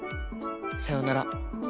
さよなら